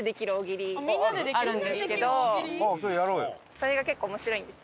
それが結構面白いんです。